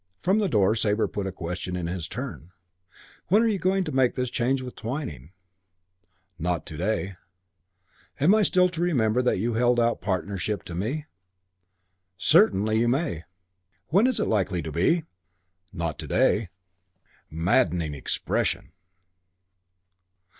From the door Sabre put a question in his turn: "When are you going to make this change with Twyning?" "Not to day." "Am I still to remember that you held out partnership to me?" "Certainly you may." "When is it likely to be?" "Not to day." Maddening expression!